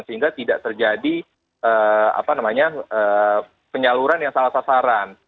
sehingga tidak terjadi penyaluran yang salah sasaran